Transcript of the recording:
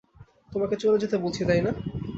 তোমাকে চলে যেতে বলছি, তাই না?